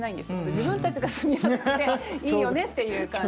自分たちが住みやすくていいよねっていう感じ。